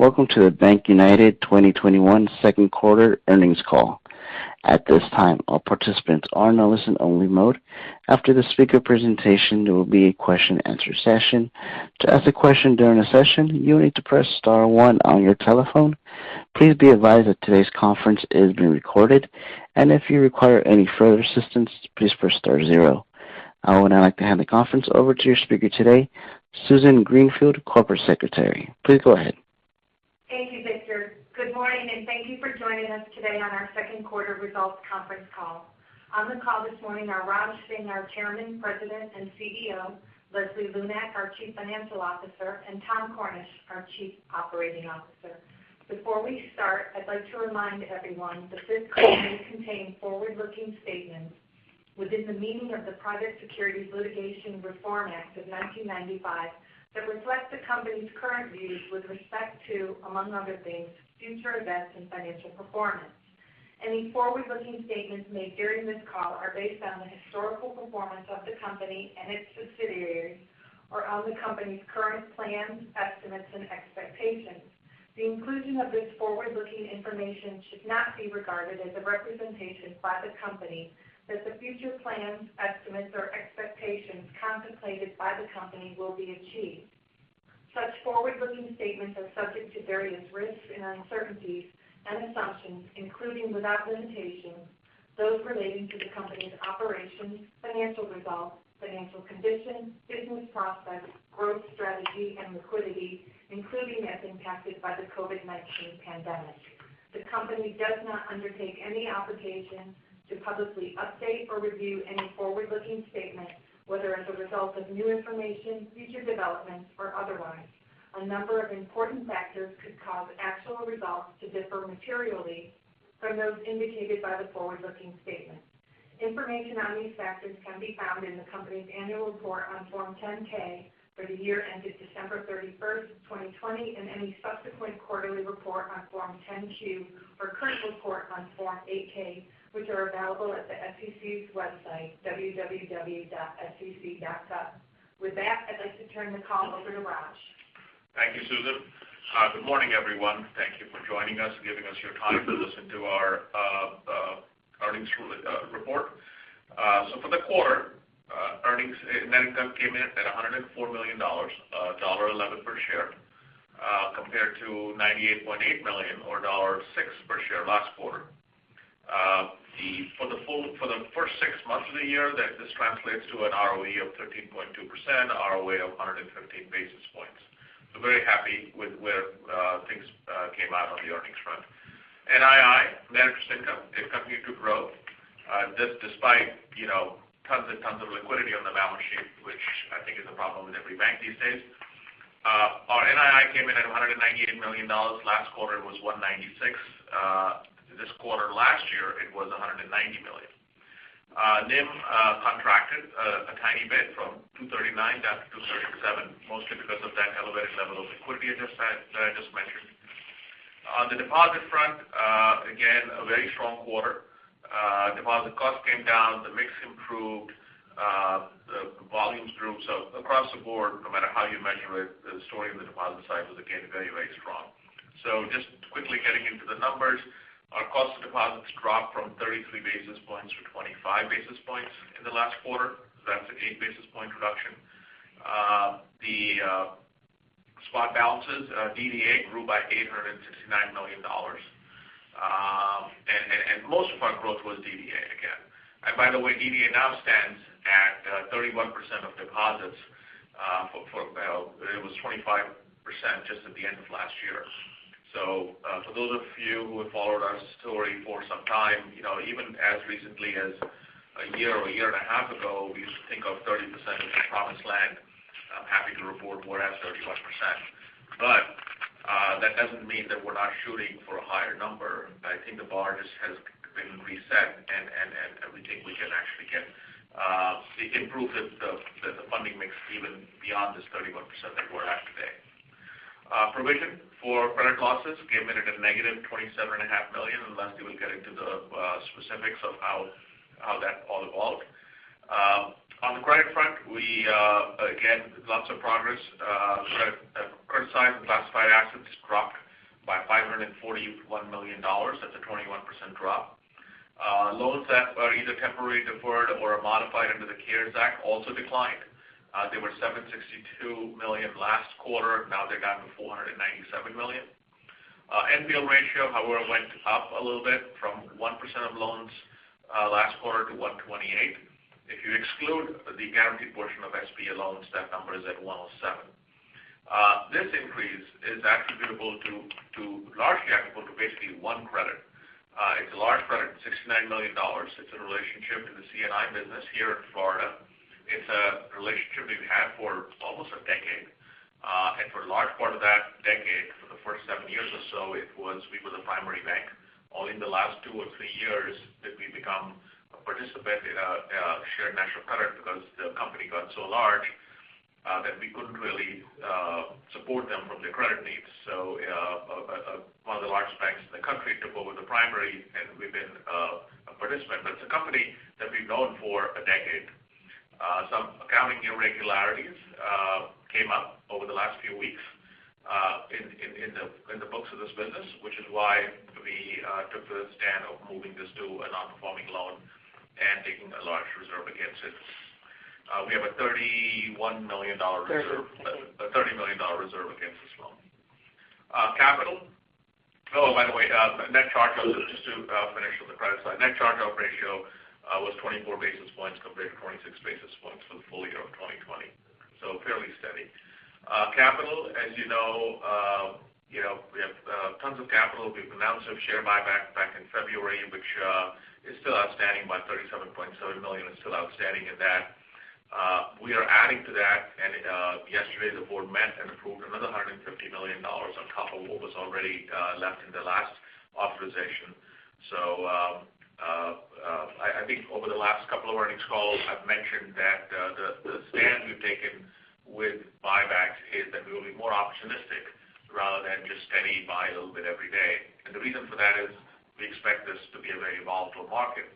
Welcome to the BankUnited 2021 second quarter earnings call. At this time, all participants are in listen only mode. After the speaker presentation, there will be a question and answer session. To ask a question during the session, you need to press star one on your telephone. Please be advised that today's conference is being recorded, and if you require any further assistance, please press star zero. I would now like to hand the conference over to your speaker today, Susan Greenfield, Corporate Secretary. Please go ahead. Thank you, Victor. Good morning, and thank you for joining us today on our second quarter results conference call. On the call this morning are Raj Singh, our Chairman, President, and CEO, Leslie Lunak, our Chief Financial Officer, and Tom Cornish, our Chief Operating Officer. Before we start, I'd like to remind everyone that this call may contain forward-looking statements within the meaning of the Private Securities Litigation Reform Act of 1995 that reflect the company's current views with respect to, among other things, future events and financial performance. Any forward-looking statements made during this call are based on the historical performance of the company and its subsidiaries, or on the company's current plans, estimates, and expectations. The inclusion of this forward-looking information should not be regarded as a representation by the company that the future plans, estimates, or expectations contemplated by the company will be achieved. Such forward-looking statements are subject to various risks and uncertainties and assumptions, including, without limitation, those relating to the company's operations, financial results, financial condition, business prospects, growth strategy, and liquidity, including as impacted by the COVID-19 pandemic. The company does not undertake any obligation to publicly update or review any forward-looking statement, whether as a result of new information, future developments, or otherwise. A number of important factors could cause actual results to differ materially from those indicated by the forward-looking statements. Information on these factors can be found in the company's annual report on Form 10-K for the year ended December 31st, 2020, and any subsequent quarterly report on Form 10-Q or current report on Form 8-K, which are available at the SEC's website, www.sec.gov. With that, I'd like to turn the call over to Raj. Thank you, Susan. Good morning, everyone. Thank you for joining us and giving us your time to listen to our earnings report. For the quarter, earnings and net income came in at $104 million, $1.11 per share compared to $98.8 million or $1.06 per share last quarter. For the first six months of the year, this translates to an ROE of 13.2%, ROA of 115 basis points. Very happy with where things came out on the earnings front. NII, net interest income, it continued to grow, despite tons and tons of liquidity on the balance sheet, which I think is a problem with every bank these days. Our NII came in at $198 million. Last quarter, it was $196 million. This quarter last year, it was $190 million. NIM contracted a tiny bit from 239 basis points down to 237 basis points, mostly because of that elevated level of liquidity I just mentioned. On the deposit front, again, a very strong quarter. Deposit cost came down, the mix improved, the volumes grew. Across the board, no matter how you measure it, the story on the deposit side was again, very, very strong. Just quickly getting into the numbers. Our cost of deposits dropped from 33 basis points to 25 basis points in the last quarter. That's an 8 basis point reduction. The swap balances, DDA grew by $869 million. Most of our growth was DDA again. By the way, DDA now stands at 31% of deposits. It was 25% just at the end of last year. For those of you who have followed our story for some time, even as recently as a year or a year and a half ago, we used to think of 30% as the promised land. I'm happy to report we're at 31%, but that doesn't mean that we're not shooting for a higher number. I think the bar just has been reset, and we think we can actually improve the funding mix even beyond this 31% that we're at today. Provision for credit losses came in at a negative $27.5 million, and Leslie will get into the specifics of how that all evolved. On the credit front, again, lots of progress. Credit size and classified assets dropped by $541 million. That's a 21% drop. Loans that were either temporarily deferred or modified under the CARES Act also declined. They were $762 million last quarter. Now they're down to $497 million. NPL ratio, however, went up a little bit from 1% of loans last quarter to 1.28%. If you exclude the guaranteed portion of SBA loans, that number is at 1.07%. This increase is largely attributable to basically one credit. It's a large credit, $69 million. It's a relationship in the C&I business here in Florida. It's a relationship we've had for almost a decade. For a large part of that decade, for the first seven years or so, we were the primary bank. Only in the last two or three years did we become a participant in a Shared National Credit because the company got so large that we couldn't really support them from their credit needs. One of the large banks in the country took over the primary, and we've been a participant. It's a company that we've known for a decade. Irregularities came up over the last few weeks in the books of this business, which is why we took the stand of moving this to a non-performing loan and taking a large reserve against it. We have a $30 million reserve against this loan. By the way, just to finish with the credit side, net charge-off ratio was 24 basis points compared to 26 basis points for the full year of 2020. Fairly steady. Capital, as you know we have tons of capital. We've announced a share buyback in February, which is still outstanding by $37.7 million. We are adding to that. Yesterday the board met and approved another $150 million on top of what was already left in the last authorization. I think over the last couple of earnings calls, I've mentioned that the stand we've taken with buybacks is that we will be more opportunistic rather than just steady buy a little bit every day. The reason for that is we expect this to be a very volatile market.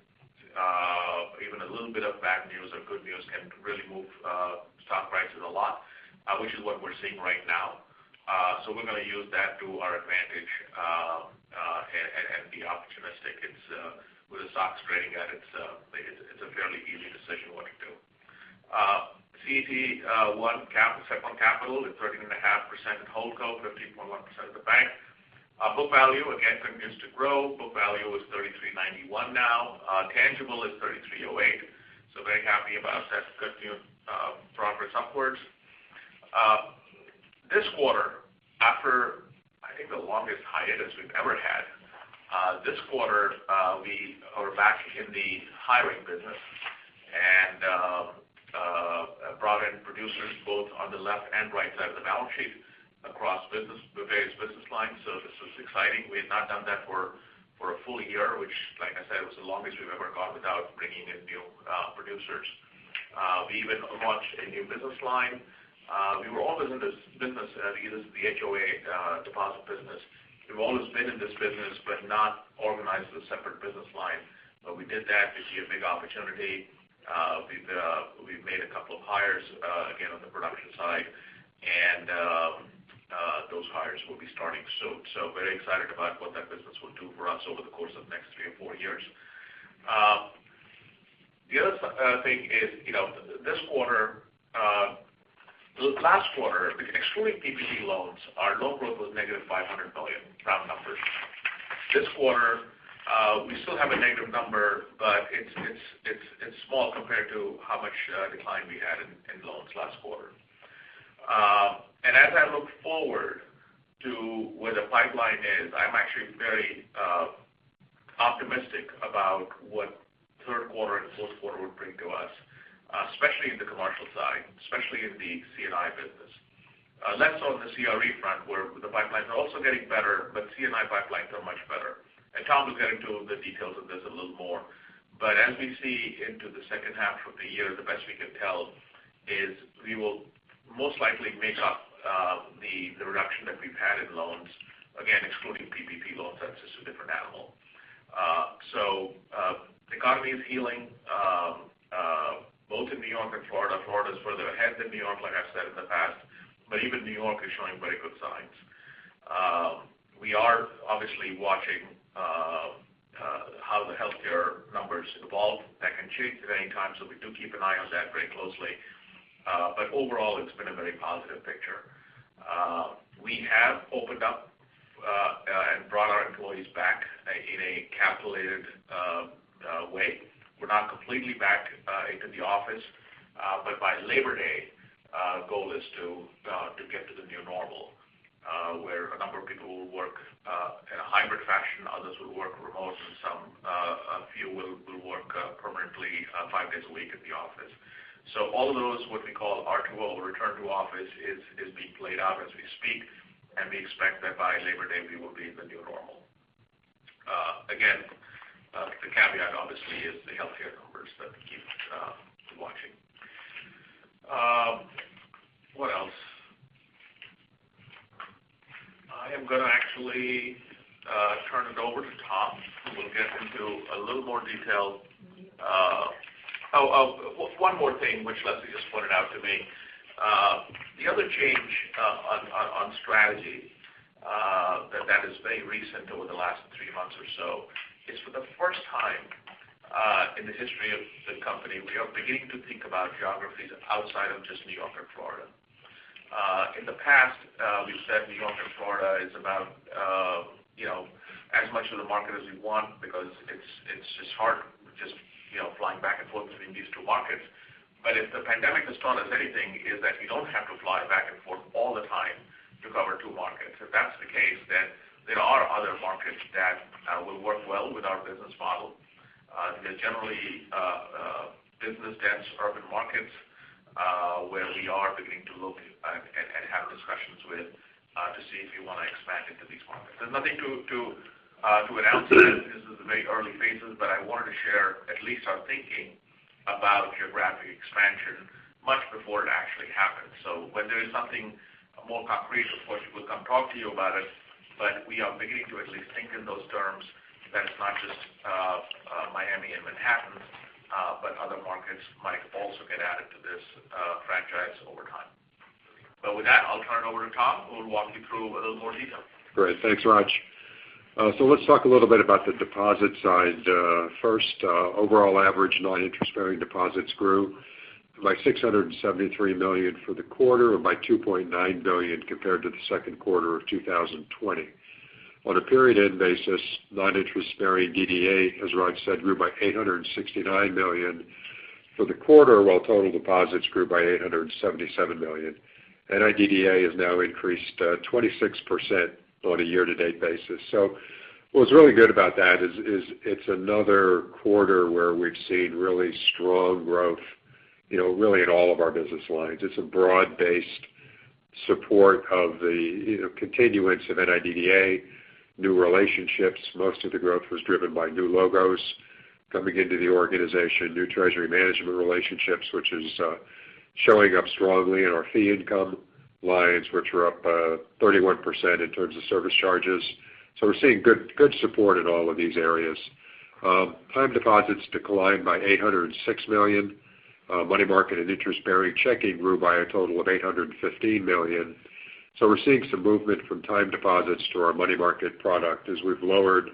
Even a little bit of bad news or good news can really move stock prices a lot, which is what we're seeing right now. We're going to use that to our advantage and be opportunistic. With the stocks trading as it's a fairly easy decision what to do. CET1 capital is 13.5% in holdco, 15.1% of the bank. Book value, again, continues to grow. Book value is $33.91 now. Tangible is $33.08. Very happy about that. It's a good progress upwards. This quarter, after I think the longest hiatus we've ever had, this quarter we are back in the hiring business and brought in producers both on the left and right side of the balance sheet across the various business lines. This is exciting. We had not done that for a full year, which like I said, was the longest we've ever gone without bringing in new producers. We even launched a new business line. We were always in this business. This is the HOA deposit business. We've always been in this business, but not organized as a separate business line. We did that. We see a big opportunity. We've made a couple of hires, again, on the production side, and those hires will be starting soon. Very excited about what that business will do for us over the course of the next three or four years. The other thing is last quarter, excluding PPP loans, our loan growth was -$500 million round numbers. This quarter, we still have a negative number, it's small compared to how much decline we had in loans last quarter. As I look forward to where the pipeline is, I'm actually very optimistic about what third quarter and fourth quarter would bring to us, especially in the commercial side, especially in the C&I business. Less so on the CRE front where the pipelines are also getting better. C&I pipelines are much better. Tom will get into the details of this a little more. As we see into the second half of the year, the best we can tell is we will most likely make up the reduction that we've had in loans, again, excluding PPP loans. That's just a different animal. The economy is healing both in New York and Florida. Florida's further ahead than New York, like I've said in the past. Even New York is showing very good signs. We are obviously watching how the healthcare numbers evolve. That can change at any time. We do keep an eye on that very closely. Overall, it's been a very positive picture. We have opened up and brought our employees back in a calculated way. We're not completely back into the office. By Labor Day, goal is to get to the new normal where a number of people will work in a hybrid fashion, others will work remote, and some few will work permanently five days a week in the office. All those, what we call RTO, return to office, is being played out as we speak, and we expect that by Labor Day we will be in the new normal. Again, the caveat obviously is the healthcare numbers that we keep watching. What else? I am going to actually turn it over to Tom who will get into a little more detail. Oh, one more thing which Leslie just pointed out to me. The other change on strategy that is very recent over the last three months or so is for the first time in the history of the company, we are beginning to think about geographies outside of just New York and Florida. In the past, we've said New York and Florida is about as much of the market as we want because it's just hard flying back and forth between these two markets. If the pandemic has taught us anything, is that you don't have to fly back and forth all the time to cover two markets. If that's the case, there are other markets that will work well with our business model. They're generally business-dense urban markets where we are beginning to look and have discussions with to see if we want to expand into these markets. There's nothing to announce this. This is the very early phases. I wanted to share at least our thinking about geographic expansion much before it actually happens. When there is something more concrete, of course, we'll come talk to you about it. We are beginning to at least think in those terms that it's not just Miami and Manhattan. Other markets might also get added to this franchise over time. With that, I'll turn it over to Tom, who will walk you through a little more detail. Great. Thanks, Raj. Let's talk a little bit about the deposit side. First, overall average non-interest bearing deposits grew by $673 million for the quarter, or by $2.9 billion compared to the second quarter of 2020. On a period-end basis, non-interest bearing DDA, as Raj said, grew by $869 million for the quarter, while total deposits grew by $877 million. NIDDA has now increased 26% on a year-to-date basis. What's really good about that is it's another quarter where we've seen really strong growth really in all of our business lines. It's a broad-based support of the continuance of NIDDA, new relationships. Most of the growth was driven by new logos coming into the organization. New treasury management relationships which is showing up strongly in our fee income lines, which were up 31% in terms of service charges. We're seeing good support in all of these areas. Time deposits declined by $806 million. Money market and interest-bearing checking grew by a total of $815 million. We're seeing some movement from time deposits to our money market product as we've lowered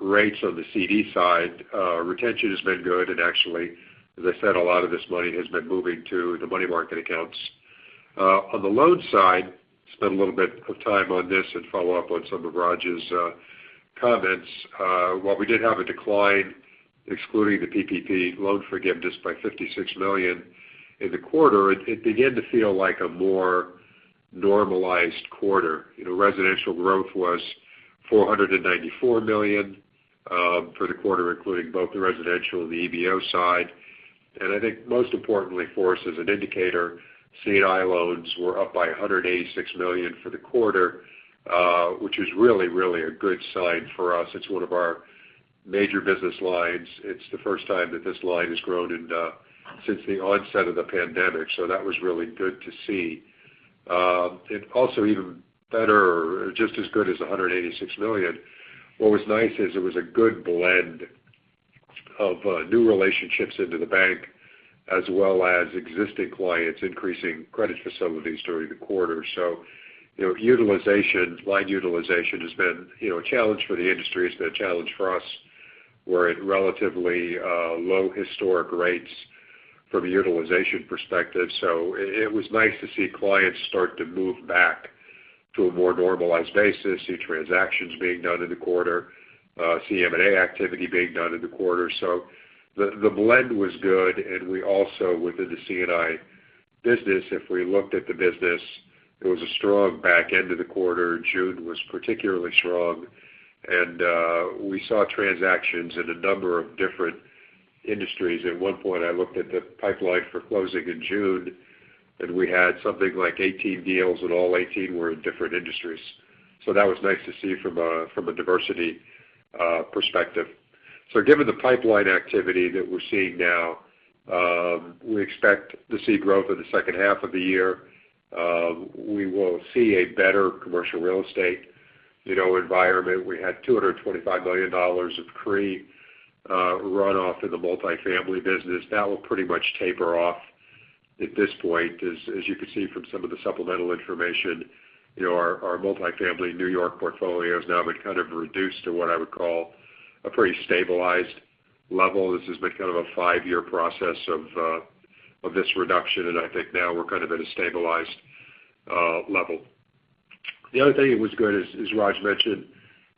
rates on the CD side. Retention has been good. Actually, as I said, a lot of this money has been moving to the money market accounts. On the loan side, spend a little bit of time on this and follow up on some of Raj's comments. While we did have a decline, excluding the PPP loan forgiveness by $56 million in the quarter, it began to feel like a more normalized quarter. Residential growth was $494 million for the quarter, including both the residential and the EBO side. I think most importantly for us as an indicator, C&I loans were up by $186 million for the quarter, which is really a good sign for us. It's one of our major business lines. It's the first time that this line has grown since the onset of the pandemic. That was really good to see. Also even better, or just as good as $186 million, what was nice is it was a good blend of new relationships into the bank, as well as existing clients increasing credit facilities during the quarter. Line utilization has been a challenge for the industry. It's been a challenge for us. We're at relatively low historic rates from a utilization perspective. It was nice to see clients start to move back to a more normalized basis, see transactions being done in the quarter, see M&A activity being done in the quarter. The blend was good. We also, within the C&I business, if we looked at the business, it was a strong back end of the quarter. June was particularly strong. We saw transactions in a number of different industries. At one point, I looked at the pipeline for closing in June, and we had something like 18 deals, and all 18 were in different industries. That was nice to see from a diversity perspective. Given the pipeline activity that we're seeing now, we expect to see growth in the second half of the year. We will see a better commercial real estate environment. We had $225 million of CRE runoff in the multifamily business. That will pretty much taper off at this point. As you can see from some of the supplemental information, our multifamily New York portfolio has now been kind of reduced to what I would call a pretty stabilized level. This has been kind of a five-year process of this reduction, and I think now we're kind of at a stabilized level. The other thing that was good is, as Raj mentioned,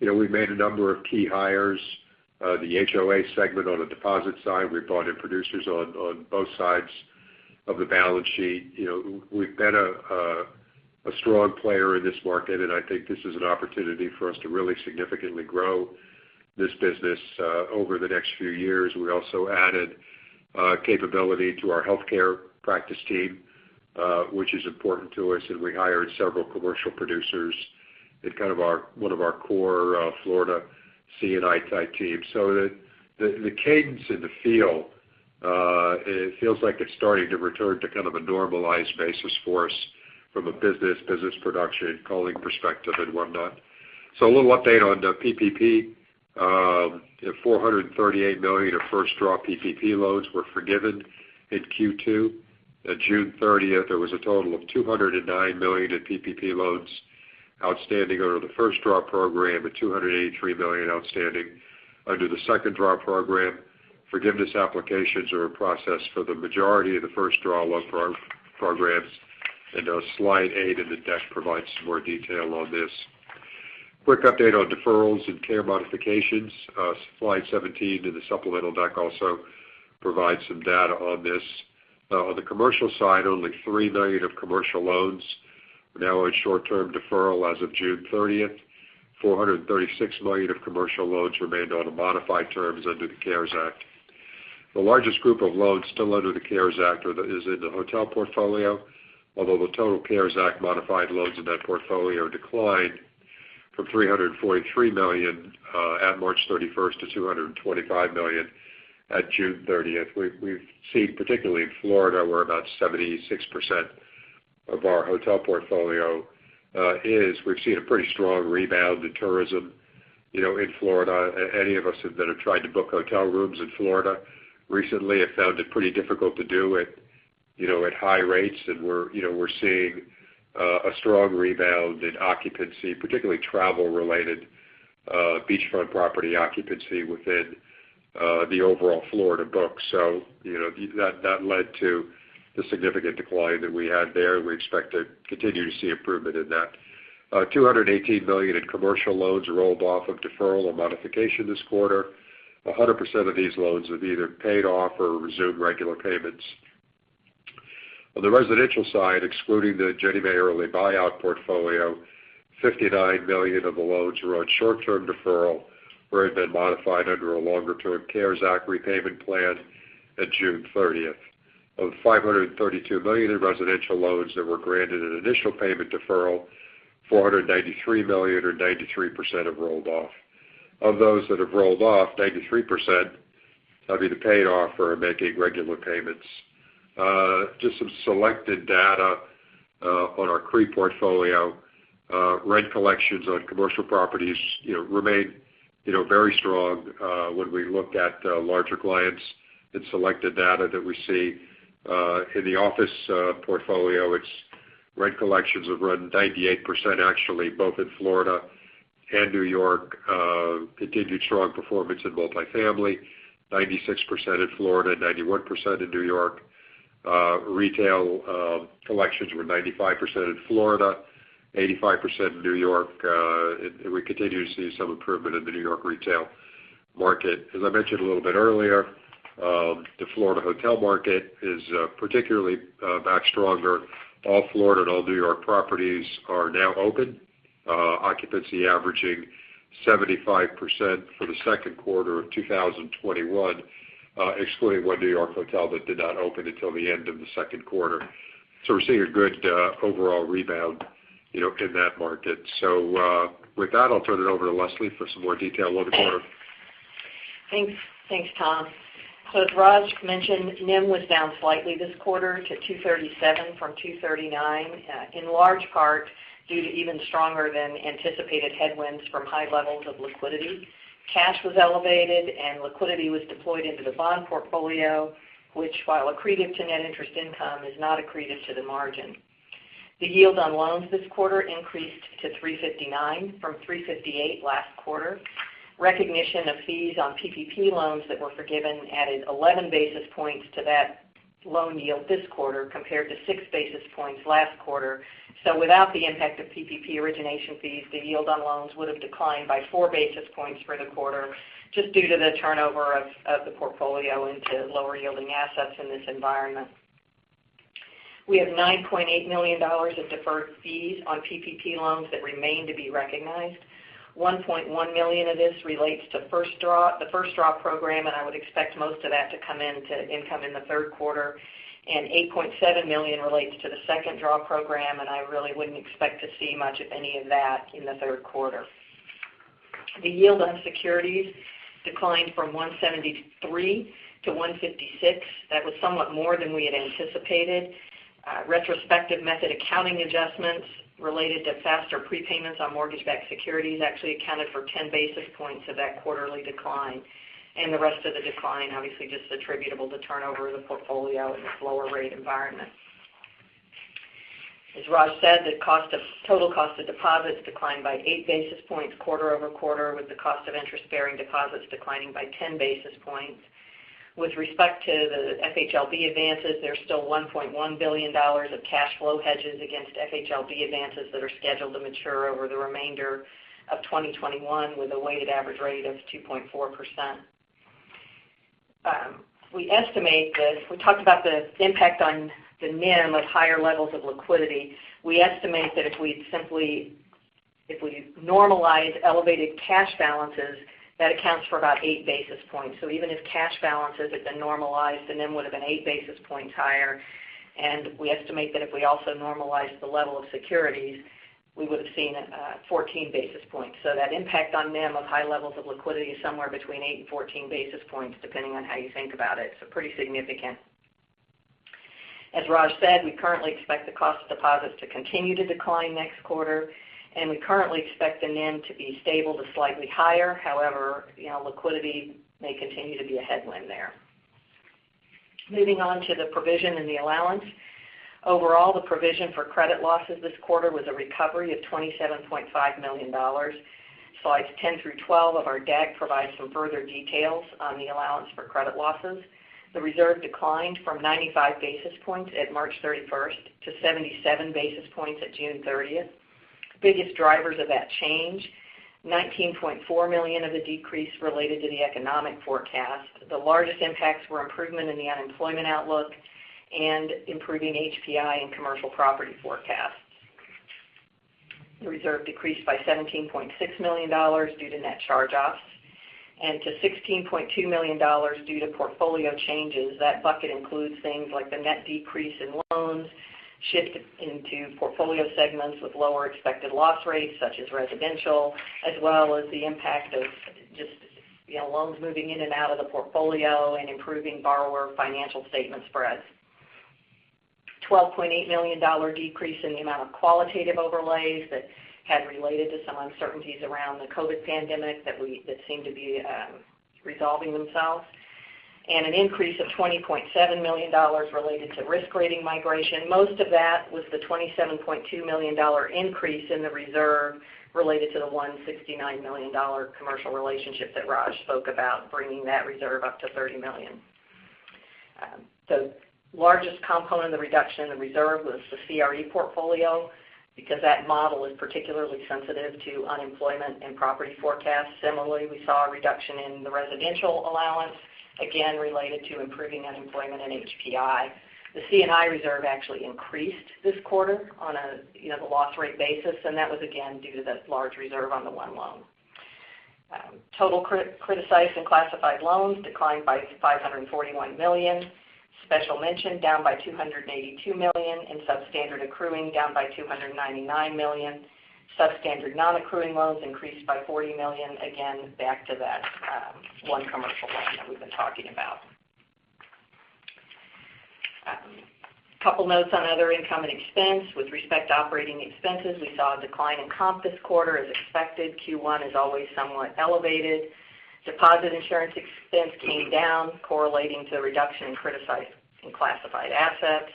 we've made a number of key hires. The HOA segment on the deposit side. We brought in producers on both sides of the balance sheet. We've been a strong player in this market, and I think this is an opportunity for us to really significantly grow this business over the next few years. We also added capability to our healthcare practice team, which is important to us. We hired several commercial producers in one of our core Florida C&I type teams. The cadence in the field, it feels like it's starting to return to kind of a normalized basis for us from a business production calling perspective and whatnot. A little update on the PPP. $438 million of first draw PPP loans were forgiven in Q2. At June 30th, there was a total of $209 million in PPP loans outstanding under the first draw program and $283 million outstanding under the second draw program. Forgiveness applications are processed for the majority of the first draw loan programs. Slide eight in the deck provides some more detail on this. Quick update on deferrals and CARES Act modifications. Slide 17 in the supplemental deck also provides some data on this. On the commercial side, only $3 million of commercial loans now in short-term deferral as of June 30th. $436 million of commercial loans remained on modified terms under the CARES Act. The largest group of loans still under the CARES Act is in the hotel portfolio. The total CARES Act modified loans in that portfolio declined from $343 million at March 31st to $225 million. At June 30th, particularly in Florida, where about 76% of our hotel portfolio is, we've seen a pretty strong rebound in tourism in Florida. Any of us that have tried to book hotel rooms in Florida recently have found it pretty difficult to do at high rates. We're seeing a strong rebound in occupancy, particularly travel-related beachfront property occupancy within the overall Florida books. That led to the significant decline that we had there. We expect to continue to see improvement in that. $218 million in commercial loans rolled off of deferral or modification this quarter. 100% of these loans have either paid off or resumed regular payments. On the residential side, excluding the Ginnie Mae early buyout portfolio, $59 million of the loans were on short-term deferral or had been modified under a longer-term CARES Act repayment plan at June 30th. Of $532 million in residential loans that were granted an initial payment deferral, $493 million or 93% have rolled off. Of those that have rolled off, 93% have either paid off or are making regular payments. Just some selected data on our CRE portfolio. Rent collections on commercial properties remain very strong when we looked at larger clients and selected data that we see. In the office portfolio, its rent collections have run 98%, actually, both in Florida and New York. Continued strong performance in multifamily, 96% in Florida, 91% in New York. Retail collections were 95% in Florida, 85% in New York, and we continue to see some improvement in the New York retail market. As I mentioned a little bit earlier, the Florida hotel market is particularly back stronger. All Florida and all New York properties are now open. Occupancy averaging 75% for the second quarter of 2021, excluding one New York hotel that did not open until the end of the second quarter. We're seeing a good overall rebound in that market. With that, I'll turn it over to Leslie for some more detail over to her. Thanks, Tom. As Raj mentioned, NIM was down slightly this quarter to 2.37% from 2.39%, in large part due to even stronger than anticipated headwinds from high levels of liquidity. Cash was elevated and liquidity was deployed into the bond portfolio, which while accretive to net interest income, is not accretive to the margin. The yield on loans this quarter increased to 3.59% from 3.58% last quarter. Recognition of fees on PPP loans that were forgiven added 11 basis points to that loan yield this quarter, compared to 6 basis points last quarter. Without the impact of PPP origination fees, the yield on loans would have declined by 4 basis points for the quarter, just due to the turnover of the portfolio into lower yielding assets in this environment. We have $9.8 million of deferred fees on PPP loans that remain to be recognized. $1.1 million of this relates to the First Draw program, and I would expect most of that to come in to income in the third quarter. $8.7 million relates to the Second Draw program, and I really wouldn't expect to see much of any of that in the third quarter. The yield on securities declined from 1.73% to 1.56%. That was somewhat more than we had anticipated. Retrospective method accounting adjustments related to faster prepayments on mortgage-backed securities actually accounted for 10 basis points of that quarterly decline, and the rest of the decline obviously just attributable to turnover of the portfolio in this lower rate environment. As Raj said, the total cost of deposits declined by 8 basis points quarter-over-quarter, with the cost of interest-bearing deposits declining by 10 basis points. With respect to the FHLB advances, there is still $1.1 billion of cash flow hedges against FHLB advances that are scheduled to mature over the remainder of 2021 with a weighted average rate of 2.4%. We talked about the impact on the NIM of higher levels of liquidity. We estimate that if we normalize elevated cash balances, that accounts for about 8 basis points. Even if cash balances had been normalized, the NIM would have been 8 basis points higher. We estimate that if we also normalize the level of securities, we would have seen 14 basis points. That impact on NIM of high levels of liquidity is somewhere between 8 and 14 basis points, depending on how you think about it. Pretty significant. As Raj said, we currently expect the cost of deposits to continue to decline next quarter, and we currently expect the NIM to be stable to slightly higher. However, liquidity may continue to be a headwind there. Moving on to the provision and the allowance. Overall, the provision for credit losses this quarter was a recovery of $27.5 million. Slides 10 through 12 of our deck provide some further details on the allowance for credit losses. The reserve declined from 95 basis points at March 31st to 77 basis points at June 30th. Biggest drivers of that change, $19.4 million of the decrease related to the economic forecast. The largest impacts were improvement in the unemployment outlook and improving HPI and commercial property forecasts. The reserve decreased by $17.6 million due to net charge-offs and to $16.2 million due to portfolio changes. That bucket includes things like the net decrease in loans, shift into portfolio segments with lower expected loss rates, such as residential, as well as the impact of just loans moving in and out of the portfolio and improving borrower financial statement spreads. $12.8 million decrease in the amount of qualitative overlays that had related to some uncertainties around the COVID pandemic that seem to be resolving themselves. An increase of $20.7 million related to risk rating migration. Most of that was the $27.2 million increase in the reserve related to the $169 million commercial relationship that Raj spoke about, bringing that reserve up to $30 million. The largest component of the reduction in the reserve was the CRE portfolio, because that model is particularly sensitive to unemployment and property forecasts. Similarly, we saw a reduction in the residential allowance, again, related to improving unemployment and HPI. The C&I reserve actually increased this quarter on the loss rate basis, and that was again due to that large reserve on the one loan. Total criticized and classified loans declined by $541 million. Special mention, down by $282 million, and substandard accruing down by $299 million. Substandard non-accruing loans increased by $40 million. Again, back to that one commercial loan that we've been talking about. A couple notes on other income and expense. With respect to operating expenses, we saw a decline in comp this quarter as expected. Q1 is always somewhat elevated. Deposit insurance expense came down correlating to the reduction in criticized and classified assets.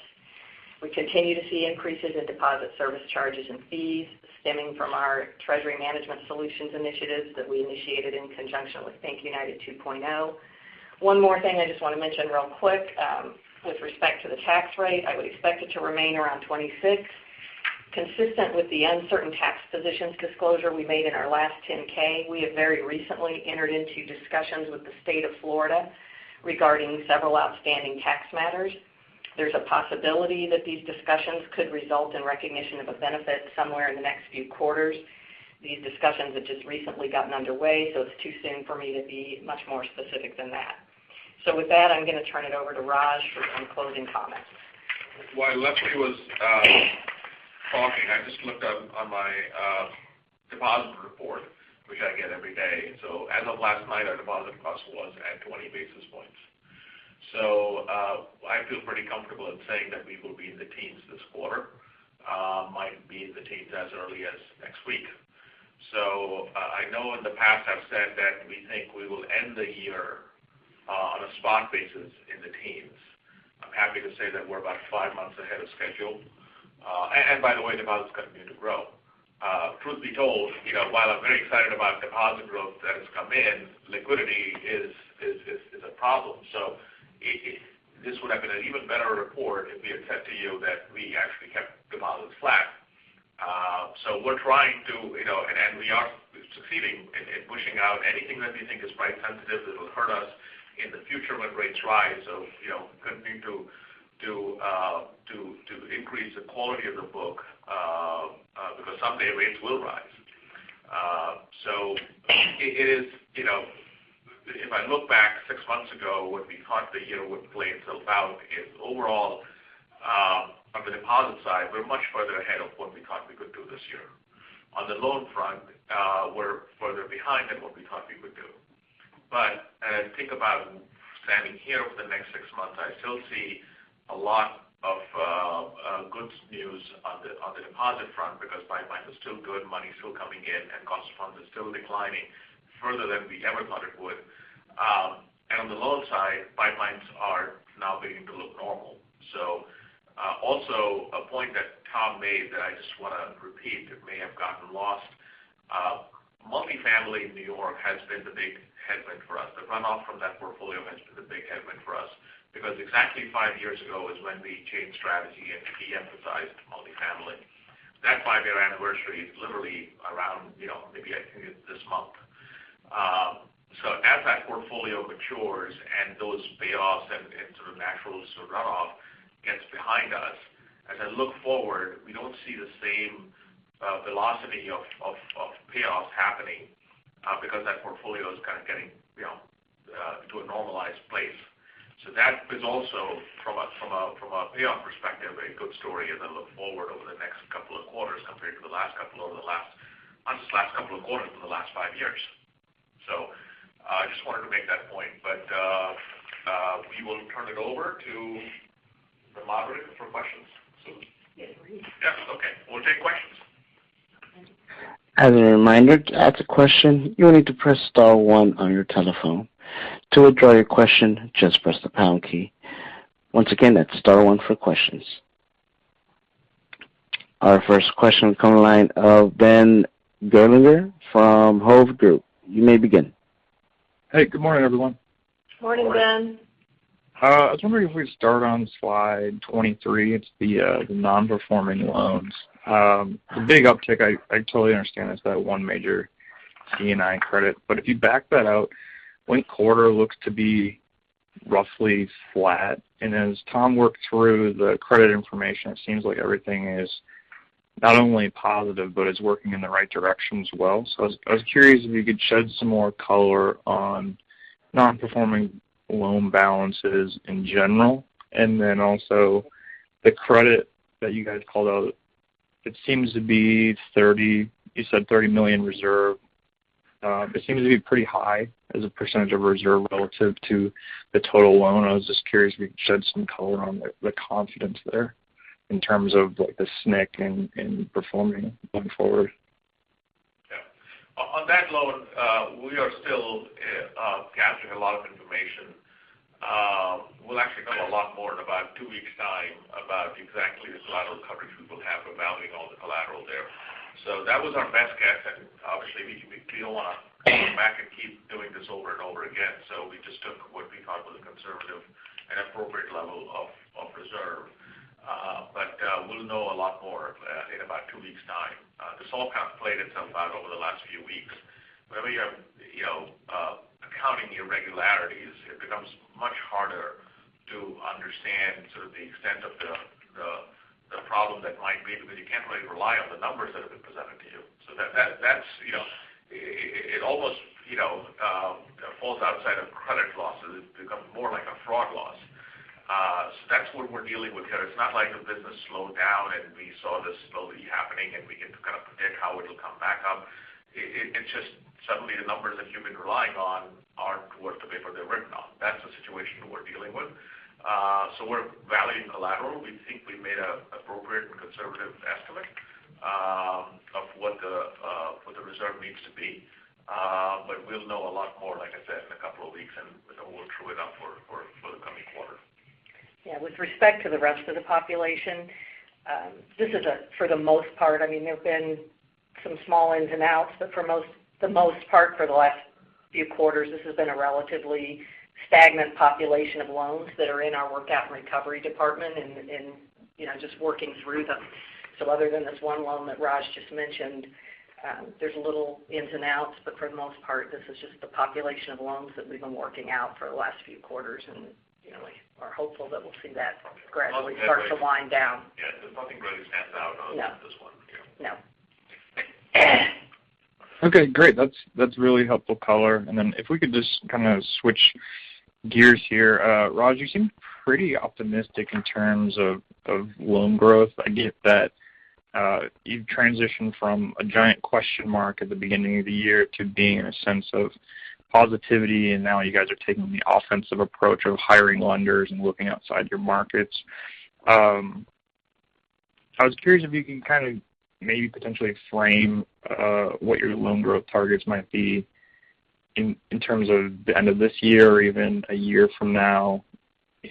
We continue to see increases in deposit service charges and fees stemming from our treasury management solutions initiatives that we initiated in conjunction with BankUnited 2.0. One more thing I just want to mention real quick. With respect to the tax rate, I would expect it to remain around 26%. Consistent with the uncertain tax positions disclosure we made in our last 10-K, we have very recently entered into discussions with the state of Florida regarding several outstanding tax matters. There's a possibility that these discussions could result in recognition of a benefit somewhere in the next few quarters. These discussions have just recently gotten underway, it's too soon for me to be much more specific than that. With that, I'm going to turn it over to Raj for some closing comments. While Leslie was talking, I just looked up on my deposit report, which I get every day. As of last night, our deposit cost was at 20 basis points. I feel pretty comfortable in saying that we will be in the teens this quarter, might be in the teens as early as next week. I know in the past I've said that we think we will end the year on a spot basis in the teens. I'm happy to say that we're about five months ahead of schedule. By the way, deposits continue to grow. Truth be told, while I'm very excited about deposit growth that has come in, liquidity is a problem. This would have been an even better report if we had said to you that we actually kept deposits flat. We're trying and we are succeeding in pushing out anything that we think is price sensitive that will hurt us in the future when rates rise. Continuing to increase the quality of the book, because someday rates will rise. If I look back six months ago at what we thought the year would play itself out, overall on the deposit side, we're much further ahead of what we thought we could do this year. On the loan front, we're further behind than what we thought we would do. As I think about standing here over the next six months, I still see a lot of good news on the deposit front because pipelines are still good, money is still coming in, and cost of funds is still declining further than we ever thought it would. On the loan side, pipelines are now beginning to look normal. Also, a point that Tom made that I just want to repeat, it may have gotten lost. multifamily in New York has been the big headwind for us. The runoff from that portfolio has been the big headwind for us, because exactly five years ago is when we changed strategy and de-emphasized multifamily. That five-year anniversary is literally around maybe this month. As that portfolio matures and those payoffs and sort of natural runoff gets behind us, as I look forward, we don't see the same velocity of payoffs happening because that portfolio is kind of getting to a normalized place. That is also from a payoff perspective, a good story as I look forward over the next couple of quarters compared to the last couple or on just last couple of quarters for the last five years. I just wanted to make that point, we will turn it over to the moderator for questions. Yes, please. Yes. Okay. We'll take questions. As a reminder, to ask a question, you will need to press star one on your telephone. To withdraw your question, just press the pound key. Once again, that's star one for questions. Our first question will come on the line of Ben Gerlinger from Hovde Group. You may begin. Hey, good morning, everyone. Morning, Ben. I was wondering if we could start on slide 23. It's the non-performing loans. The big uptick, I totally understand, is that one major C&I credit, but if you back that out, point quarter looks to be roughly flat. As Tom worked through the credit information, it seems like everything is not only positive, but is working in the right direction as well. I was curious if you could shed some more color on non-performing loan balances in general, and then also the credit that you guys called out. It seems to be $30 million, you said $30 million reserve. It seems to be pretty high as a percentage of reserve relative to the total loan. I was just curious if you could shed some color on the confidence there in terms of the SNC and performing going forward. Yeah. On that loan, we are still gathering a lot of information. We'll actually know a lot more in about two weeks' time about exactly the collateral coverage we will have evaluating all the collateral there. That was our best guess, and obviously we don't want to keep going back and keep doing this over and over again. We just took what we thought was a conservative and appropriate level of reserve. We'll know a lot more in about two weeks' time. This all kind of played itself out over the last few weeks. Whenever you have accounting irregularities, it becomes much harder to understand sort of the extent of the problem that might be, because you can't really rely on the numbers that have been presented to you. That, it almost falls outside of credit losses. It becomes more like a fraud loss. That's what we're dealing with here. It's not like the business slowed down, and we saw this slowly happening, and we get to kind of predict how it'll come back up. It's just suddenly the numbers that you've been relying on aren't worth the paper they're written on. That's the situation we're dealing with. We're valuing collateral. We think we made an appropriate and conservative estimate of what the reserve needs to be. We'll know a lot more, like I said, in a couple of weeks, and then we'll true it up for the coming quarter. Yeah. With respect to the rest of the population, this is for the most part, there have been some small ins and outs, but for the most part, for the last few quarters, this has been a relatively stagnant population of loans that are in our workout and recovery department, and just working through them. Other than this one loan that Raj just mentioned, there's little ins and outs, but for the most part, this is just the population of loans that we've been working out for the last few quarters, and we are hopeful that we'll see that gradually start to wind down. Yeah. There's nothing really stands out other than this one. No. Okay, great. That's really helpful color. If we could just kind of switch gears here. Raj, you seem pretty optimistic in terms of loan growth. I get that you've transitioned from a giant question mark at the beginning of the year to being in a sense of positivity, and now you guys are taking the offensive approach of hiring lenders and looking outside your markets. I was curious if you can kind of maybe potentially frame what your loan growth targets might be in terms of the end of this year or even a year from now.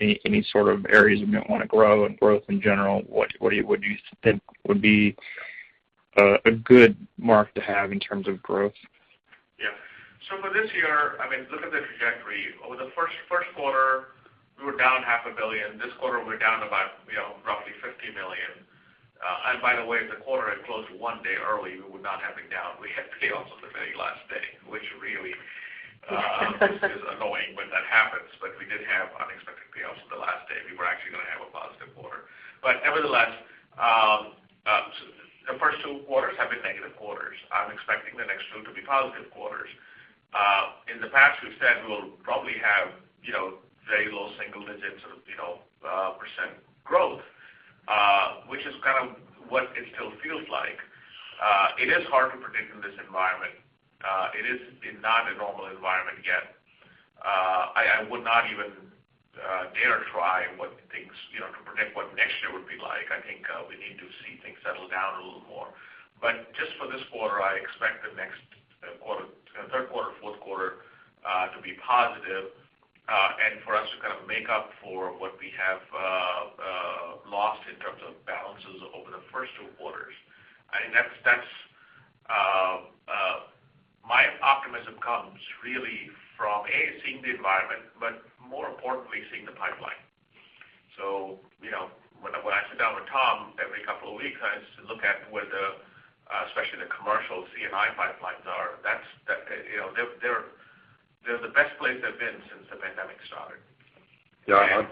Any sort of areas you might want to grow, and growth in general. What do you think would be a good mark to have in terms of growth? Yeah. For this year, look at the trajectory. Over the first quarter, we were down $0.5 billion. This quarter, we're down about roughly $50 million. By the way, if the quarter had closed one day early, we would not have been down. We had payoffs on the very last day, which is annoying when that happens. We did have unexpected payoffs on the last day. We were actually going to have a positive quarter. Nevertheless, the first two quarters have been negative quarters. I'm expecting the next two to be positive quarters. In the past, we've said we'll probably have very low single digits of percent growth, which is kind of what it still feels like. It is hard to predict in this environment. It is not a normal environment yet. I would not even dare try to predict what next year would be like. I think we need to see things settle down a little more. Just for this quarter, I expect the next quarter, third quarter, fourth quarter, to be positive, and for us to kind of make up for what we have lost in terms of balances over the first two quarters. My optimism comes really from, A, seeing the environment, but more importantly, seeing the pipeline. When I sit down with Tom every couple of weeks, I look at where the, especially the commercial C&I pipelines are. They're in the best place they've been since the pandemic started. Yeah.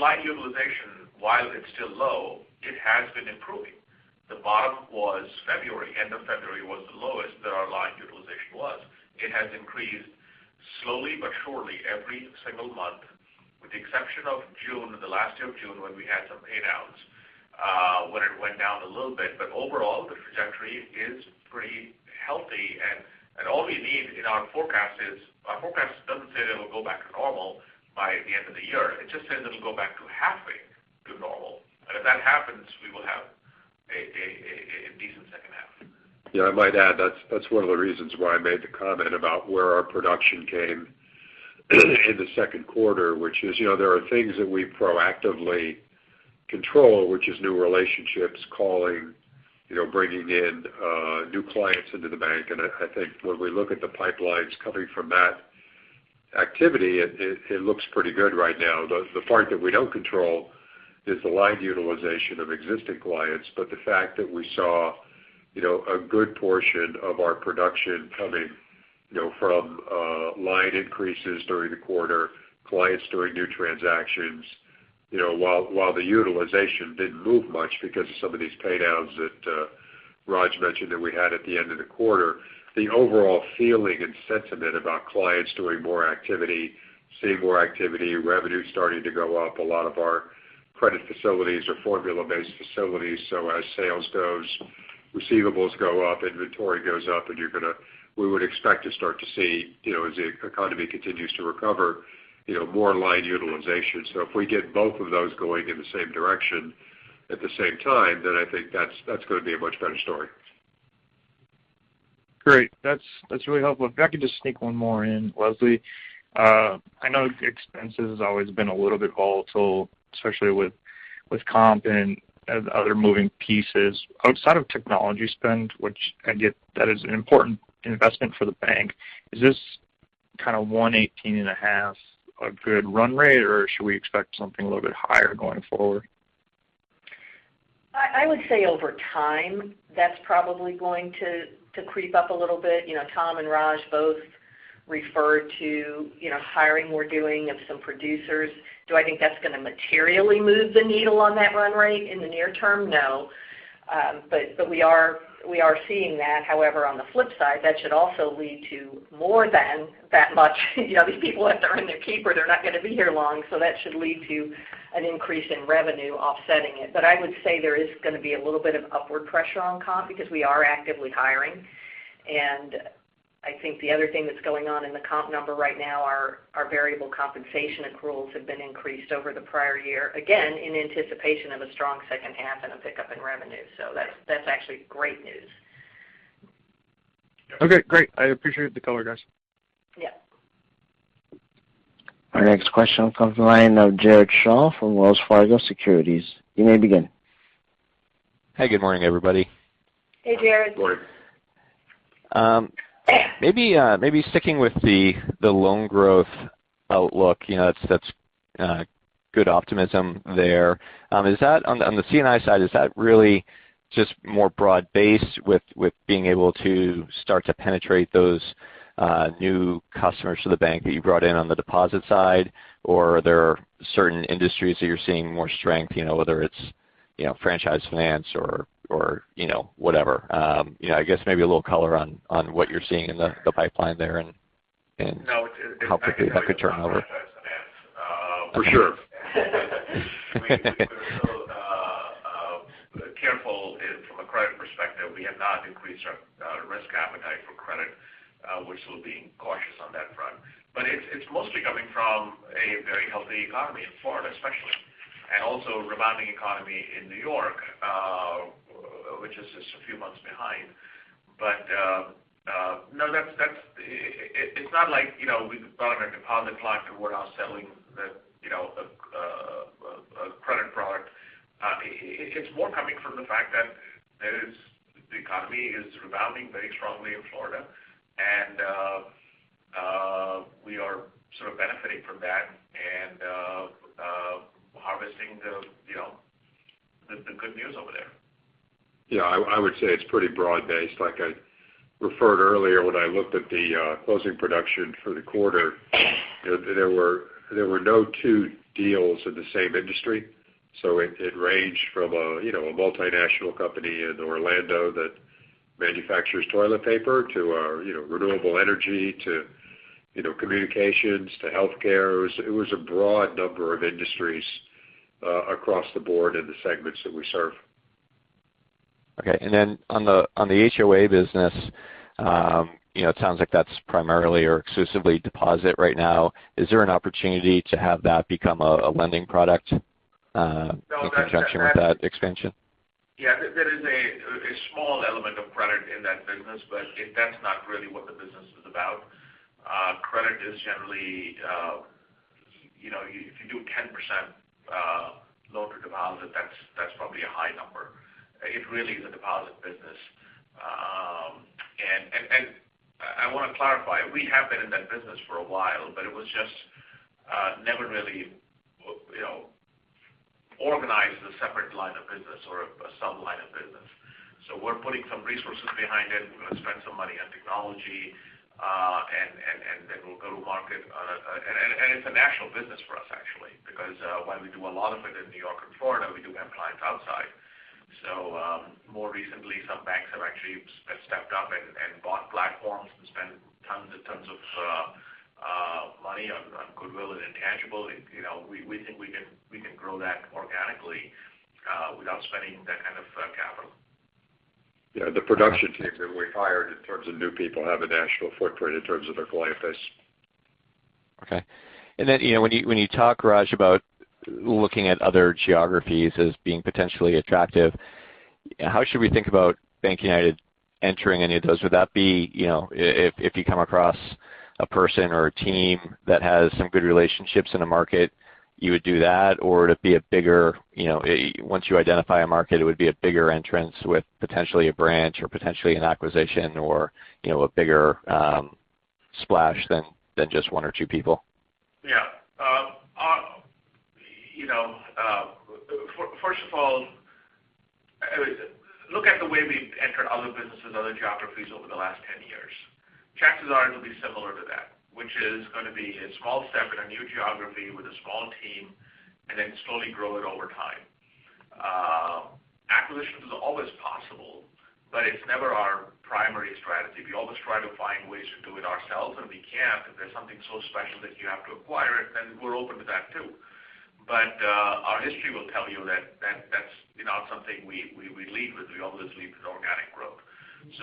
Line utilization, while it's still low, it has been improving. The bottom was February. End of February was the lowest that our line utilization was. It has increased slowly but surely every single month, with the exception of June, the last of June, when we had some payouts, when it went down a little bit. Overall, the trajectory is pretty healthy, and all we need in our forecast is our forecast doesn't say that it'll go back to normal by the end of the year. It just says it'll go back to halfway to normal. If that happens, we will have a decent second half. I might add, that's one of the reasons why I made the comment about where our production came in the second quarter, which is, there are things that we proactively control, which is new relationships, calling, bringing in new clients into the bank. I think when we look at the pipelines coming from that activity, it looks pretty good right now. The part that we don't control is the line utilization of existing clients. The fact that we saw a good portion of our production coming from line increases during the quarter, clients doing new transactions. While the utilization didn't move much because of some of these pay-downs that Raj mentioned that we had at the end of the quarter, the overall feeling and sentiment about clients doing more activity, seeing more activity, revenue starting to go up. A lot of our credit facilities are formula-based facilities, so as sales goes, receivables go up, inventory goes up, and we would expect to start to see, as the economy continues to recover, more line utilization. If we get both of those going in the same direction at the same time, then I think that's going to be a much better story. Great. That's really helpful. If I could just sneak one more in, Leslie. I know expenses has always been a little bit volatile, especially with comp and other moving pieces. Outside of technology spend, which I get that is an important investment for the bank, is this kind of $118.5 a good run rate, or should we expect something a little bit higher going forward? I would say over time, that's probably going to creep up a little bit. Tom and Raj both referred to hiring we're doing of some producers. Do I think that's going to materially move the needle on that run rate in the near term? No. We are seeing that. However, on the flip side, that should also lead to more than that much. These people have to earn their keep or they're not going to be here long. That should lead to an increase in revenue offsetting it. I would say there is going to be a little bit of upward pressure on comp because we are actively hiring. I think the other thing that's going on in the comp number right now are variable compensation accruals have been increased over the prior year, again, in anticipation of a strong second half and a pickup in revenue. That's actually great news. Okay, great. I appreciate the color, guys. Yeah. Our next question comes from the line of Jared Shaw from Wells Fargo Securities. You may begin. Hey, good morning, everybody. Hey, Jared. Good morning. Maybe sticking with the loan growth outlook. That's good optimism there. On the C&I side, is that really just more broad-based with being able to start to penetrate those new customers to the bank that you brought in on the deposit side? Are there certain industries that you're seeing more strength, whether it's franchise finance or whatever? I guess maybe a little color on what you're seeing in the pipeline there. No. Hope that I could turn over. For sure. We're still careful from a credit perspective. We have not increased our risk appetite for credit. We're still being cautious on that front. It's mostly coming from a very healthy economy in Florida especially, and also a rebounding economy in New York, which is just a few months behind. No, it's not like we've grown our deposit client and we're now selling a credit product. It's more coming from the fact that the economy is rebounding very strongly in Florida, and we are sort of benefiting from that and harvesting the good news over there. Yeah, I would say it's pretty broad-based. Like I referred earlier when I looked at the closing production for the quarter, there were no two deals in the same industry. It ranged from a multinational company in Orlando that manufactures toilet paper to renewable energy to communications to healthcare. It was a broad number of industries across the board in the segments that we serve. Okay. Then on the HOA business, it sounds like that's primarily or exclusively deposit right now. Is there an opportunity to have that become a lending product- No. In conjunction with that expansion? Yeah, there is a small element of credit in that business. That's not really what the business is about. Credit is generally, if you do a 10% loan-to-deposit, that's probably a high number. It really is a deposit business. I want to clarify, we have been in that business for a while, but it was just never really organized as a separate line of business or a sub-line of business. We're putting some resources behind it. We're going to spend some money on technology, and then we'll go to market. It's a national business for us, actually, because while we do a lot of it in New York and Florida, we do have clients outside. More recently, some banks have actually stepped up and bought platforms and spent tons and tons of money on goodwill and intangibles. We think we can grow that organically without spending that kind of capital. The production team that we hired in terms of new people have a national footprint in terms of their client base. Okay. Then when you talk, Raj, about looking at other geographies as being potentially attractive, how should we think about BankUnited entering any of those? Would that be if you come across a person or a team that has some good relationships in a market, you would do that? Would it be a bigger, once you identify a market, it would be a bigger entrance with potentially a branch or potentially an acquisition or a bigger splash than just one or two people? Yeah. First of all, look at the way we've entered other businesses, other geographies over the last 10 years. Chances are it'll be similar to that, which is going to be a small step in a new geography with a small team, slowly grow it over time. Acquisition is always possible, it's never our primary strategy. We always try to find ways to do it ourselves, if we can't, if there's something so special that you have to acquire it, we're open to that too. Our history will tell you that that's not something we lead with. We always lead with organic growth. It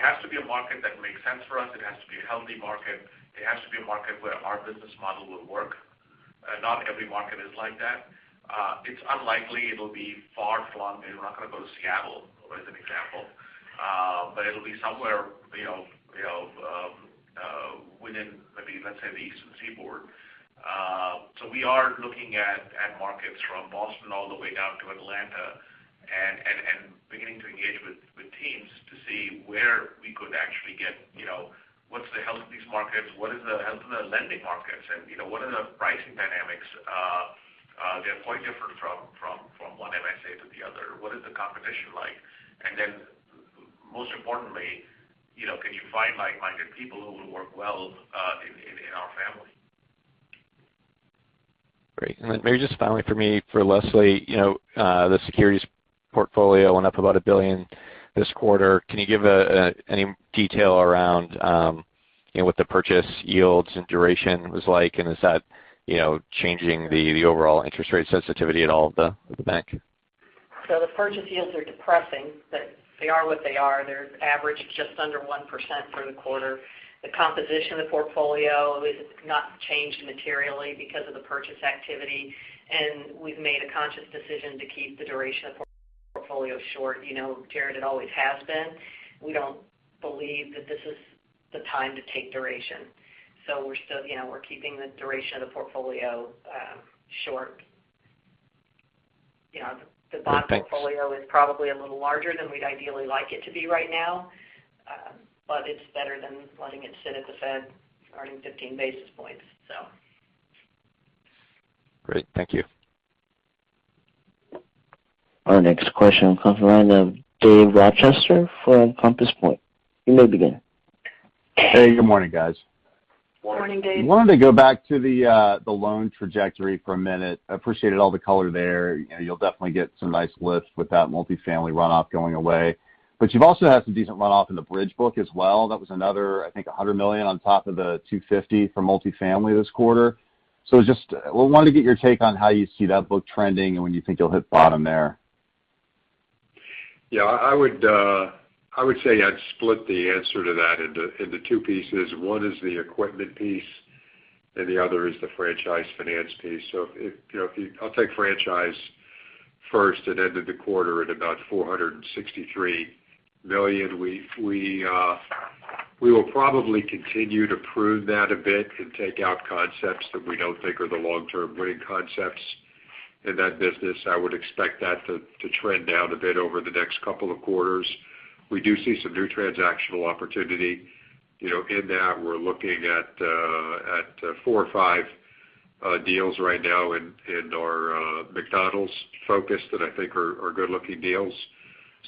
has to be a market that makes sense for us. It has to be a healthy market. It has to be a market where our business model will work. Not every market is like that. It's unlikely it'll be far-flung. We're not going to go to Seattle as an example. It'll be somewhere within, maybe, let's say, the Eastern Seaboard. We are looking at markets from Boston all the way down to Atlanta and beginning to engage with teams to see where we could actually get what's the health of these markets, what is the health of the lending markets, and what are the pricing dynamics? They're quite different from one MSA to the other. What is the competition like? Then most importantly, can you find like-minded people who will work well in our family? Great. Maybe just finally for me, for Leslie, the securities portfolio went up about $1 billion this quarter. Can you give any detail around what the purchase yields and duration was like, and is that changing the overall interest rate sensitivity at all of the bank? The purchase yields are depressing. They are what they are. They average just under 1% for the quarter. The composition of the portfolio has not changed materially because of the purchase activity, and we've made a conscious decision to keep the duration of the portfolio short. Jared, it always has been. We don't believe that this is the time to take duration. We're keeping the duration of the portfolio short. Thanks. The bond portfolio is probably a little larger than we'd ideally like it to be right now. It's better than letting it sit at the Fed earning 15 basis points. Great. Thank you. Our next question comes from the line of Dave Rochester for Compass Point. You may begin. Hey, good morning, guys. Morning. Morning, Dave. Wanted to go back to the loan trajectory for a minute. I appreciated all the color there. You'll definitely get some nice lift with that multifamily runoff going away. You've also had some decent runoff in the Bridge book as well. That was another, I think, $100 million on top of the $250 million for multifamily this quarter. Just wanted to get your take on how you see that book trending and when you think you'll hit bottom there. Yeah, I would say I'd split the answer to that into two pieces. One is the equipment piece and the other is the franchise finance piece. I'll take franchise first. It ended the quarter at about $463 million. We will probably continue to prune that a bit and take out concepts that we don't think are the long-term winning concepts in that business. I would expect that to trend down a bit over the next couple of quarters. We do see some new transactional opportunity in that. We're looking at four or five deals right now in our McDonald's focus that I think are good-looking deals.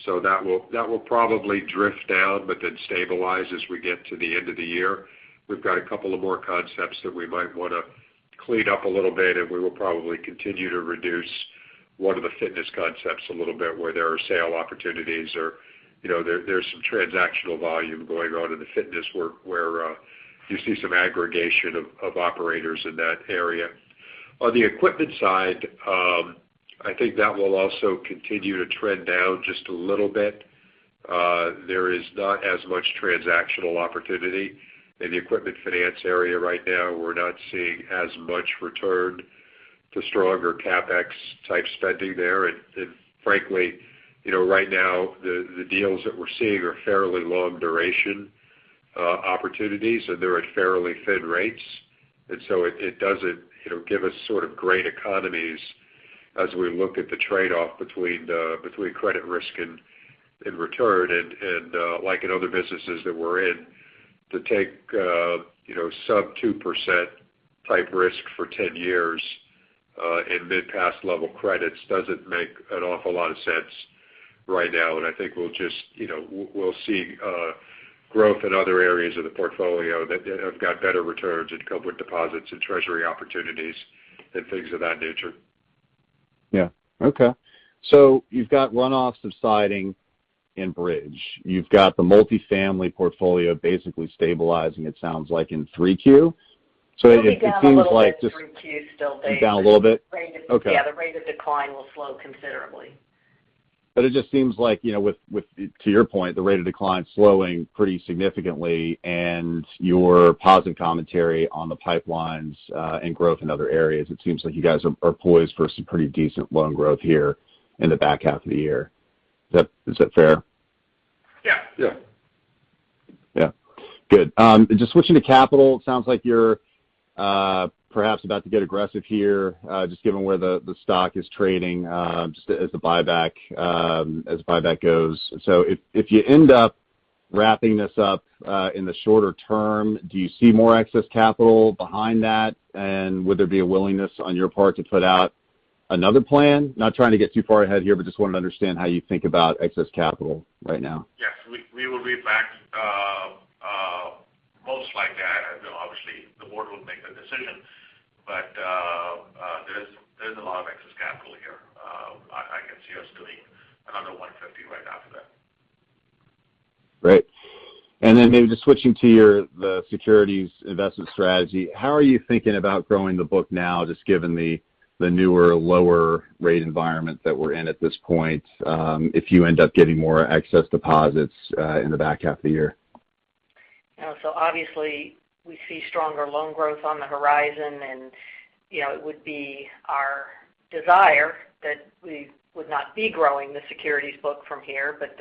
That will probably drift down but then stabilize as we get to the end of the year. We've got a couple of more concepts that we might want to clean up a little bit, and we will probably continue to reduce one of the fitness concepts a little bit where there are sale opportunities or there's some transactional volume going on in the fitness where you see some aggregation of operators in that area. On the equipment side, I think that will also continue to trend down just a little bit. There is not as much transactional opportunity in the equipment finance area right now. We're not seeing as much return to stronger CapEx type spending there. Frankly, right now, the deals that we're seeing are fairly long-duration opportunities, and they're at fairly Fed rates. It doesn't give us sort of great economies as we look at the trade-off between credit risk and return. Like in other businesses that we're in, to take sub 2% type risk for 10 years in mid-pass level credits doesn't make an awful lot of sense right now. I think we'll see growth in other areas of the portfolio that have got better returns and core deposits and treasury opportunities and things of that nature. Yeah. Okay. You've got runoffs subsiding in Bridge. You've got the multifamily portfolio basically stabilizing, it sounds like, in 3Q. It'll be down a little bit in 3Q still, Dave. Down a little bit? Okay. Yeah, the rate of decline will slow considerably. It just seems like, to your point, the rate of decline slowing pretty significantly and your positive commentary on the pipelines and growth in other areas, it seems like you guys are poised for some pretty decent loan growth here in the back half of the year. Is that fair? Yeah. Yeah. Good. Just switching to capital, it sounds like you're perhaps about to get aggressive here, just given where the stock is trading as the buyback goes. If you end up wrapping this up in the shorter term, do you see more excess capital behind that? Would there be a willingness on your part to put out another plan? Not trying to get too far ahead here, but just wanted to understand how you think about excess capital right now. Yes. We will be back most like that. Obviously, the board will make the decision, but there's a lot of excess capital here. I can see us doing another $150 write-off of that. Great. Maybe just switching to the securities investment strategy, how are you thinking about growing the book now, just given the newer, lower rate environment that we're in at this point, if you end up getting more excess deposits in the back half of the year? Obviously we see stronger loan growth on the horizon, and it would be our desire that we would not be growing the securities book from here. That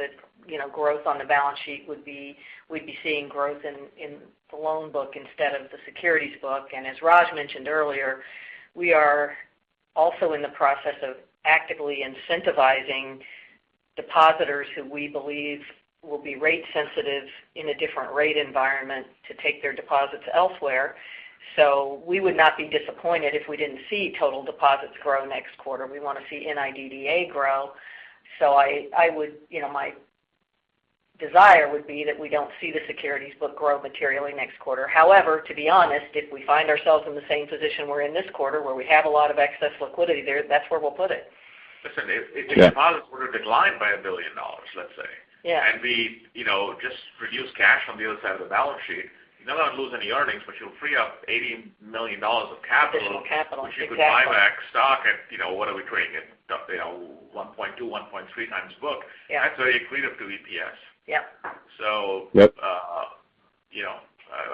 growth on the balance sheet would be we'd be seeing growth in the loan book instead of the securities book. As Raj mentioned earlier, we are also in the process of actively incentivizing depositors who we believe will be rate sensitive in a different rate environment to take their deposits elsewhere. We would not be disappointed if we didn't see total deposits grow next quarter. We want to see NIDDA grow. My desire would be that we don't see the securities book grow materially next quarter. However, to be honest, if we find ourselves in the same position we're in this quarter, where we have a lot of excess liquidity there, that's where we'll put it. Listen, if deposits were to decline by $1 billion, let's say. Yeah. We just reduce cash on the other side of the balance sheet. You're not going to lose any earnings, but you'll free up $80 million of capital. Additional capital. Exactly. Which you could buy back stock at, what are we trading at? 1.2x, 1.3x book. Yeah. Actually, it cleaned up good EPS. Yep. So. Yep.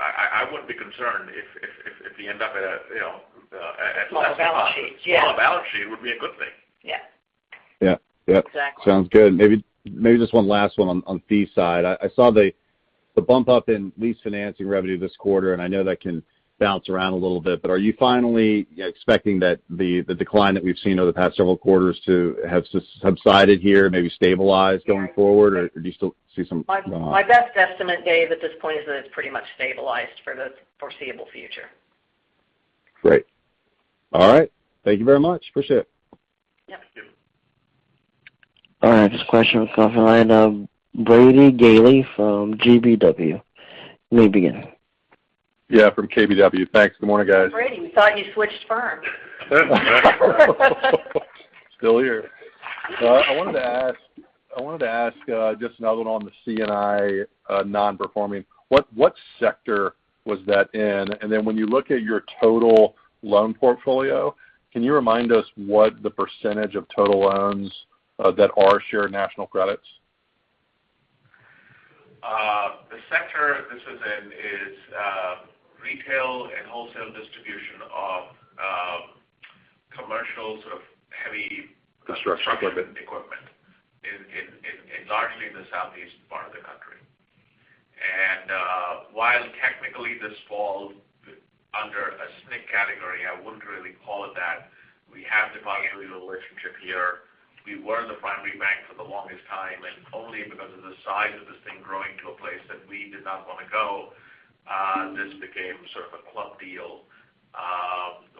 I wouldn't be concerned if we end up at- Less balance sheet. Yeah. Smaller balance sheet would be a good thing. Yeah. Yep. Exactly. Sounds good. Just one last one on fee side. I saw the bump up in lease financing revenue this quarter, and I know that can bounce around a little bit, but are you finally expecting that the decline that we've seen over the past several quarters to have subsided here, maybe stabilize going forward? My best guesstimate, Dave, at this point is that it's pretty much stabilized for the foreseeable future. Great. All right. Thank you very much. Appreciate it. Yep. Thank you. All right. This is question from the line of Brady Gailey from KBW. You may begin. Yeah, from KBW. Thanks. Good morning, guys. Brady, we thought you switched firms. Still here. I wanted to ask just another one on the C&I non-performing. What sector was that in? When you look at your total loan portfolio, can you remind us what the percentage of total loans that are Shared National Credits? The sector this is in is retail and wholesale distribution of commercial sort of heavy. Construction equipment construction equipment in largely the southeast part of the country. While technically this falls under a SNC category, I wouldn't really call it that. We have departing relationships here. We were the primary bank for the longest time, and only because of the size of this thing growing to a place that we did not want to go, this became sort of a club deal.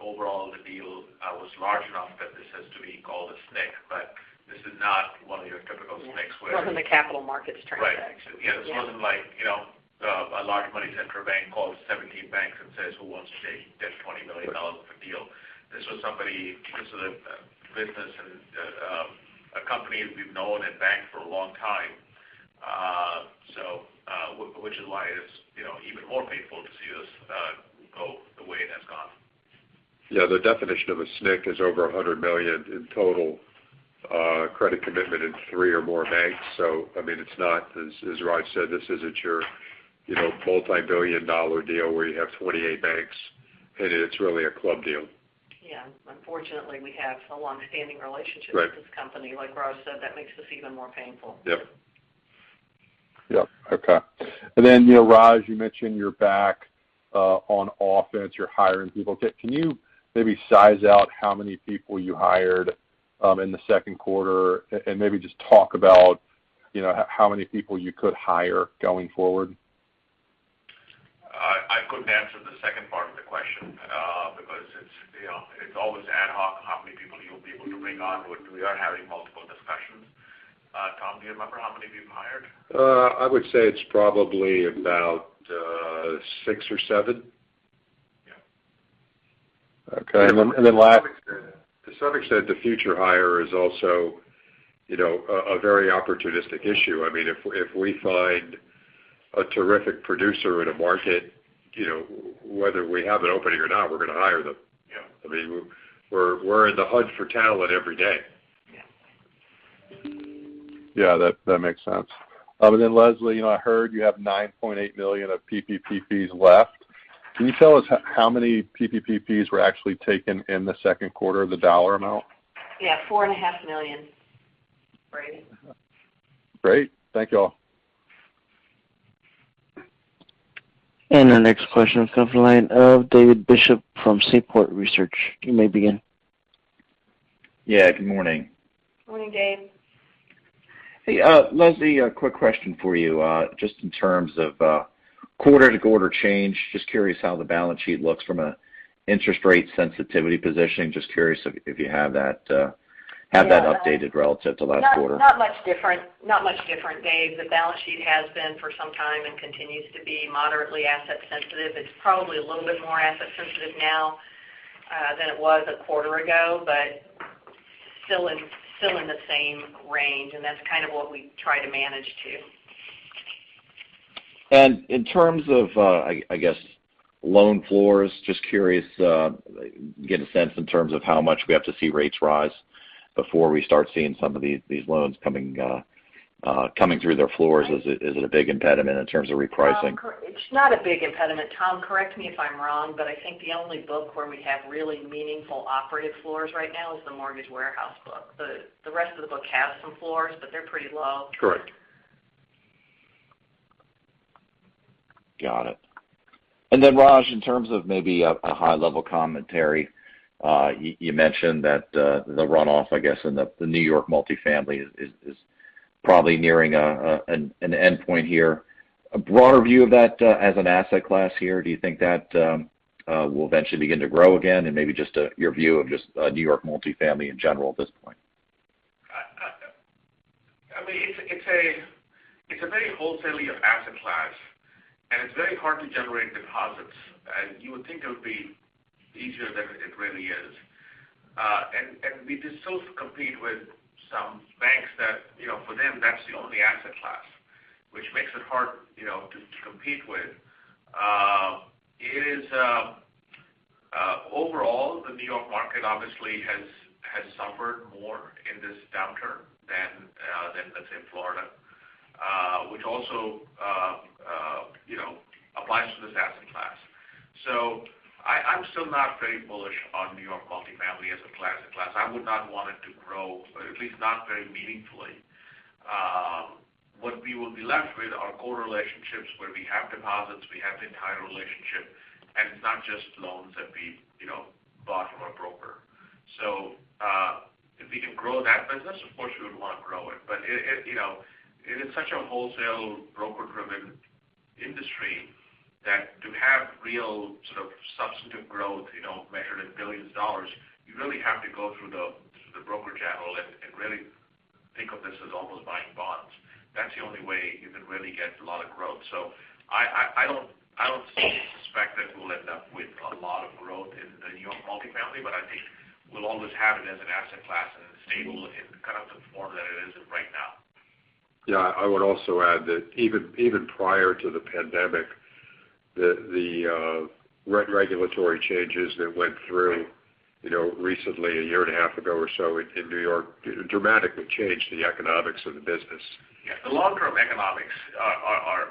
Overall, the deal was large enough that this has to be called a SNC, but this is not one of your typical SNCs where. It wasn't a capital markets transaction. Right. Yeah. Yeah. This wasn't like a large money center bank calls 17 banks and says, "Who wants to take this $20 million of a deal?" This was a business and a company we've known and banked for a long time. Which is why it is even more painful to see this go the way it has gone. Yeah. The definition of a SNC is over $100 million in total credit commitment in three or more banks. I mean, as Raj said, this isn't your multibillion-dollar deal where you have 28 banks, and it's really a club deal. Yeah. Unfortunately, we have a longstanding relationship with this company. Like Raj said, that makes this even more painful. Yep. Yep. Okay. Raj, you mentioned you're back on offense. You're hiring people. Can you maybe size out how many people you hired in the second quarter and maybe just talk about how many people you could hire going forward? I couldn't answer the second part of the question because it's always ad hoc how many people you'll be able to bring on. We are having multiple discussions. Tom, do you remember how many people we hired? I would say it's probably about six or seven. Yeah. Okay. Then last- To some extent, the future hire is also a very opportunistic issue. I mean, if we find a terrific producer in a market, whether we have an opening or not, we're going to hire them. Yeah. I mean, we're in the hunt for talent every day. Yeah. Yeah. That makes sense. Leslie, I heard you have $9.8 million of PPP fees left. Can you tell us how many PPP fees were actually taken in the second quarter, the dollar amount? Yeah, $4.5 million. Brady? Great. Thank you all. Our next question comes from the line of David Bishop from Seaport Research. You may begin. Yeah. Good morning. Morning, Dave. Hey, Leslie, a quick question for you. Just in terms of quarter-to-quarter change, just curious how the balance sheet looks from an interest rate sensitivity positioning. Just curious if you have that updated relative to last quarter. Not much different, Dave. The balance sheet has been for some time, and continues to be moderately asset sensitive. It's probably a little bit more asset sensitive now than it was a quarter ago, but still in the same range, and that's kind of what we try to manage to. In terms of, I guess, loan floors, just curious, get a sense in terms of how much we have to see rates rise before we start seeing some of these loans coming through their floors. Is it a big impediment in terms of repricing? It's not a big impediment. Tom, correct me if I'm wrong, but I think the only book where we have really meaningful operative floors right now is the mortgage warehouse book. The rest of the book has some floors, but they're pretty low. Correct. Got it. Then Raj, in terms of maybe a high level commentary, you mentioned that the runoff, I guess, in the New York multifamily is probably nearing an end point here. A broader view of that as an asset class here, do you think that will eventually begin to grow again? Maybe just your view of just New York multifamily in general at this point. It's a very wholesaley asset class, and it's very hard to generate deposits. You would think it would be easier than it really is. We just also compete with some banks that, for them, that's the only asset class, which makes it hard to compete with. Overall, the New York market obviously has suffered more in this downturn than, let's say, in Florida, which also applies to this asset class. I'm still not very bullish on New York multifamily as a classic class. I would not want it to grow, or at least not very meaningfully. What we will be left with are core relationships where we have deposits, we have the entire relationship, and it's not just loans that we bought from a broker. If we can grow that business, of course we would want to grow it. It is such a wholesale broker-driven industry that to have real sort of substantive growth measured in billions of dollars, you really have to go through the broker channel and really think of this as almost buying bonds. That's the only way you can really get a lot of growth. I don't suspect that we'll end up with a lot of growth in the New York multifamily, but I think we'll always have it as an asset class and stable in kind of the form that it is in right now. Yeah. I would also add that even prior to the pandemic, the regulatory changes that went through recently, a year and a half ago or so in New York dramatically changed the economics of the business. The long-term economics are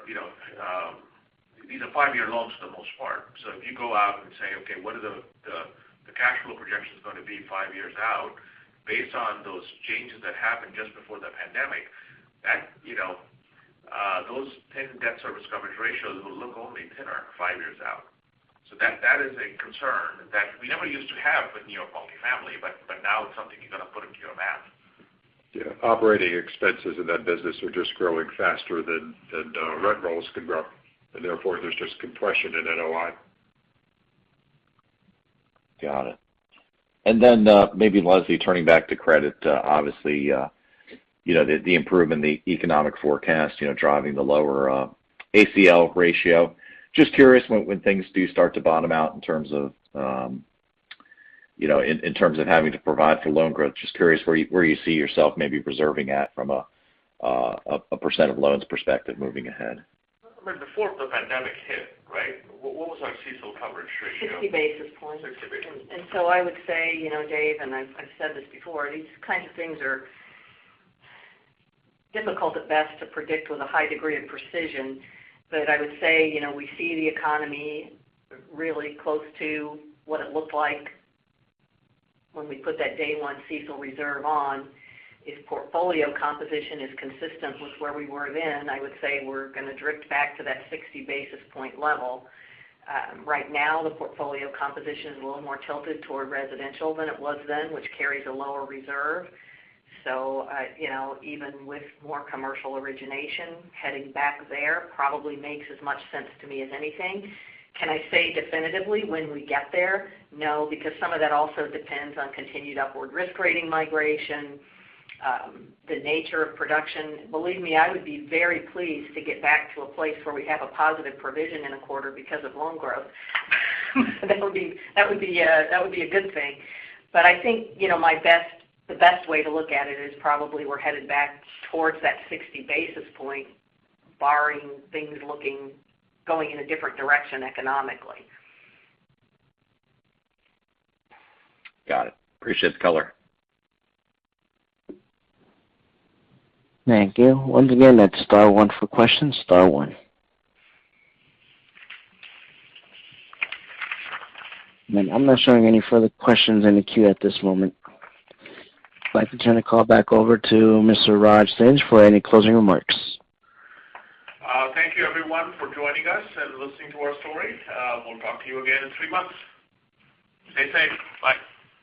these are five-year loans for the most part. If you go out and say, "Okay, what are the cash flow projections going to be five years out based on those changes that happened just before the pandemic?" Those 10 debt service coverage ratios will look only thinner five years out. That is a concern that we never used to have with New York multifamily, but now it's something you've got to put into your math. Yeah. Operating expenses in that business are just growing faster than rent rolls can grow, and therefore, there's just compression in NOI. Got it. Maybe Leslie, turning back to credit, obviously, the improvement in the economic forecast driving the lower ACL ratio. Just curious when things do start to bottom out in terms of having to provide for loan growth, just curious where you see yourself maybe reserving at from a percent of loans perspective moving ahead. Before the pandemic hit, right, what was our CECL coverage ratio? 60 basis points. 60 basis points. I would say, Dave, and I've said this before, these kinds of things are difficult at best to predict with a high degree of precision. I would say we see the economy really close to what it looked like when we put that day one CECL reserve on. If portfolio composition is consistent with where we were then, I would say we're going to drift back to that 60 basis point level. Right now, the portfolio composition is a little more tilted toward residential than it was then, which carries a lower reserve. Even with more commercial origination, heading back there probably makes as much sense to me as anything. Can I say definitively when we get there? No, because some of that also depends on continued upward risk rating migration, the nature of production. Believe me, I would be very pleased to get back to a place where we have a positive provision in a quarter because of loan growth. That would be a good thing. I think the best way to look at it is probably we're headed back towards that 60 basis point, barring things going in a different direction economically. Got it. Appreciate the color. Thank you. Once again, that's star one for questions. Star one. I'm not showing any further questions in the queue at this moment. I'd like to turn the call back over to Mr. Raj Singh for any closing remarks. Thank you everyone for joining us and listening to our story. We'll talk to you again in three months. Stay safe. Bye.